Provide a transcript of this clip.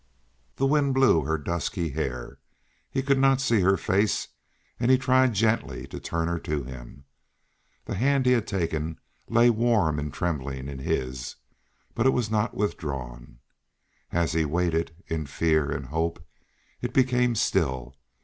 The wind blew her dusky hair; he could not see her face; he tried gently to turn her to him. The hand he had taken lay warm and trembling in his, but it was not withdrawn. As he waited, in fear, in hope, it became still.